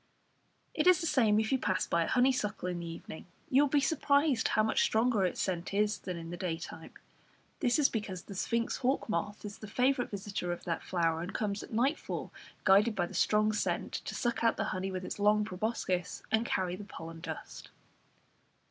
It is the same if you pass by a honeysuckle in the evening; you will be surprised how much stronger its scent is than in the day time. This is because the sphinx hawk moth is the favourite visitor of that flower, and comes at nightfall, guided by the strong scent, to suck out the honey with its long proboscis, and carry the pollen dust.